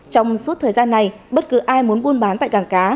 trong suốt thời gian này bất cứ ai muốn buôn bán tại cảng cá